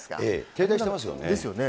停滞してますよね。